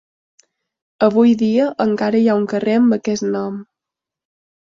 Avui dia encara hi ha un carrer amb aquest nom.